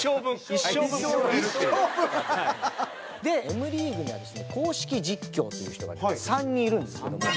Ｍリーグにはですね公式実況という人がね３人いるんですけども。